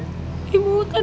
tapi aku mau berubah